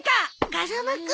風間くん！